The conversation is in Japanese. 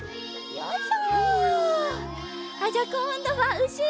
よいしょ。